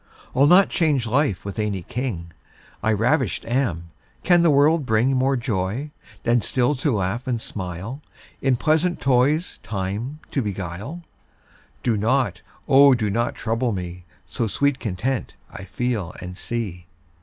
I'll not change life with any king, I ravisht am: can the world bring More joy, than still to laugh and smile, In pleasant toys time to beguile? Do not, O do not trouble me, So sweet content I feel and see.